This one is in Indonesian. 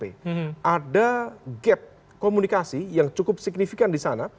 jadi ada gap komunikasi yang cukup signifikan